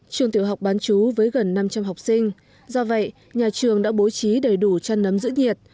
trường tiểu học bán chú với gần năm trăm linh học sinh do vậy nhà trường đã bố trí đầy đủ chăn nấm giữ nhiệt